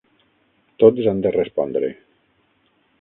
Tots han de respondre.